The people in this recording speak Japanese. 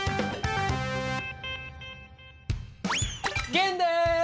玄です！